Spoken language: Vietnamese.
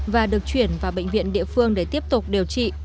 và được chuyển vào bệnh viện địa phương để tiếp tục điều trị